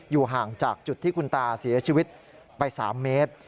ห่างจากจุดที่คุณตาเสียชีวิตไป๓เมตร